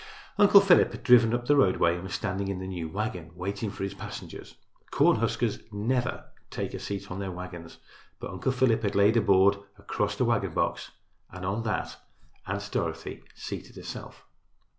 Uncle Philip had driven up the roadway and was standing in the new wagon waiting for his passengers. Corn huskers never take a seat on their wagons, but Uncle Philip had laid a board across the wagon box and on that Aunt Dorothy seated herself.